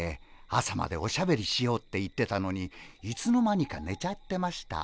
朝までおしゃべりしようって言ってたのにいつの間にかねちゃってました。